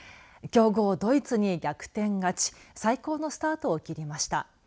強豪ドイツに逆転勝ち最高のスタートを切りました。